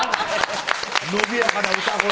伸びやかな歌声